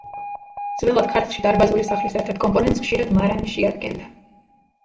ძველად ქართლში დარბაზული სახლის ერთ-ერთ კომპონენტს ხშირად მარანი შეადგენდა.